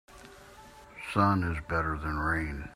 Sun is better than rain.